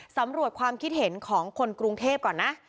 สำรวจความคิดเห็นของคนกรุงเทพก่อนนะ